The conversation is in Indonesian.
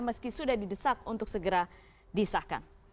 meski sudah didesak untuk segera disahkan